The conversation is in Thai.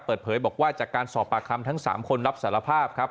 เปิดเผยบอกว่าจากการสอบปากคำทั้ง๓คนรับสารภาพครับ